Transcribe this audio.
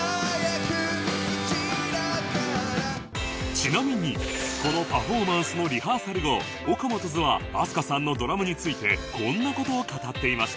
ちなみにこのパフォーマンスのリハーサル後 ＯＫＡＭＯＴＯ’Ｓ は飛鳥さんのドラムについてこんな事を語っていました